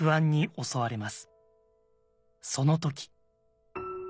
その時。